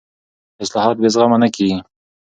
اصلاحات بې زغمه نه کېږي